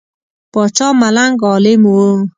پاچا ملنګ عالم وو.